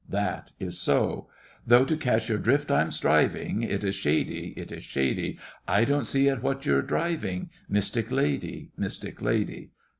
That is so. Though to catch your drift I'm striving, It is shady—it is shady; I don't see at what you're driving, Mystic lady—mystic lady.